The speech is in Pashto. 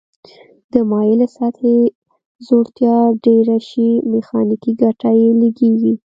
د مایلې سطحې ځوړتیا ډیره شي میخانیکي ګټه یې لږیږي.